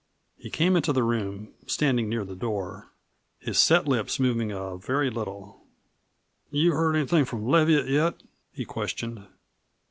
He came into the room, standing near the door, his set lips moving a very little, "You heard anything from Leviatt yet?" he questioned.